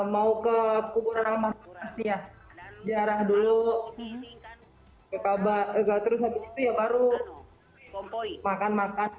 mau ke kubur ramah ya jarah dulu ya pabak enggak terus terus ya baru kompoi makan makan